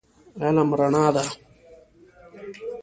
علم رڼا ده.